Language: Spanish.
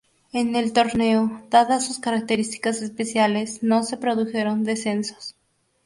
En el torneo, dadas sus características especiales, no se produjeron descensos.